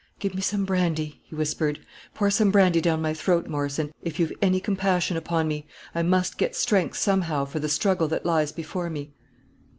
"Give me some brandy," he whispered; "pour some brandy down my throat, Morrison, if you've any compassion upon me; I must get strength somehow for the struggle that lies before me."